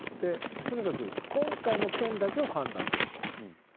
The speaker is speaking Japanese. とにかく今回の件だけを判断すると。